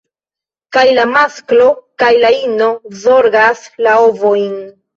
Kaj la masklo kaj la ino zorgas la ovojn.